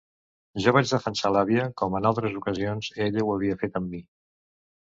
Jo vaig defensar l'àvia, com en altres ocasions ella ho havia fet amb mi.